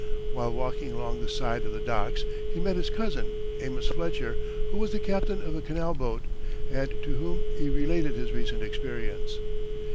While walking along the side of the docks, he met his cousin, Amos Fletcher, who was the captain of a canal boat, and to whom he related his recent experience.